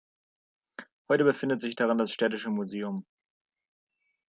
Heute befindet sich darin das städtische Museum.